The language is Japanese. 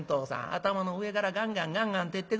頭の上からガンガンガンガン照ってくるしな。